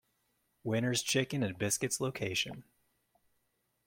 Winner's Chicken and Biscuits location.